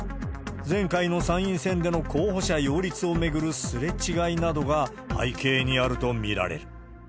前回の参院選での候補者擁立を巡るすれ違いなどが背景にあると見られる。